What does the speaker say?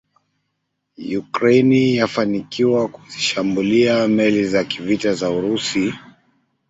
Ukraine yafanikiwa kuzishambulia meli za kivita za Urusi